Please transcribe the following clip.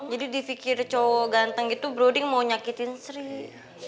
jadi di fikir cowok ganteng gitu broding mau nyakitin sri